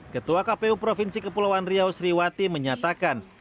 ketua kpu provinsi kepulauan riau sriwati menyatakan